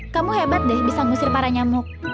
kamu hebat deh bisa ngusir para nyamuk